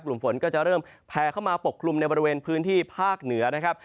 กลุ่มฝนก็จะเริ่มแพร่เข้ามาปกคลุมในบริเวณพื้นที่ภาคเหนือนะครับ